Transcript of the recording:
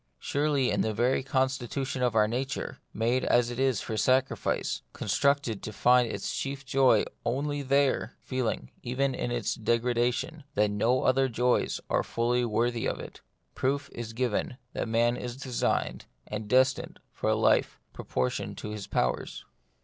Surely in the very constitution of our nature, made as it is for sacrifice, constructed to find its chief joy only there, feeling, even in its degradation, that no other joys are fully worthy of it, proof is given that man is designed and destined for a life proportioned to his powers.